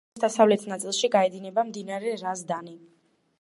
რაიონის დასავლეთ ნაწილში გაედინება მდინარე რაზდანი.